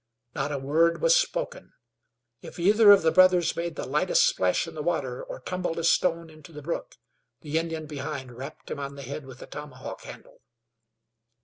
Not a word was spoken. If either of the brothers made the lightest splash in the water, or tumbled a stone into the brook, the Indian behind rapped him on the head with a tomahawk handle.